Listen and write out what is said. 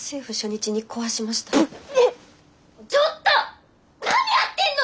ちょっと何やってんの！？